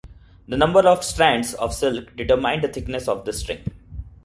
The number of strands of silk determined the thickness of the string.